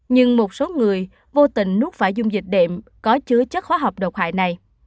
nhưng một số người vô tình núp phải dung dịch đệm có chứa chất hóa học độc hại này